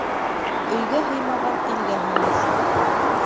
Өйгә һыймаған илгә һыймаҫ.